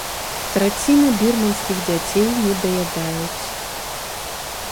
Траціна бірманскіх дзяцей недаядаюць.